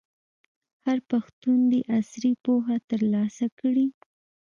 هر پښتون دي عصري پوهه ترلاسه کړي.